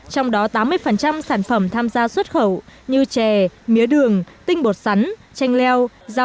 trong đó tám mươi sản phẩm tham gia xuất khẩu như chè mía đường tinh bột sắn chanh leo rau